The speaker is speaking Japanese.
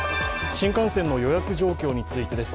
新幹線の予約状況についてです。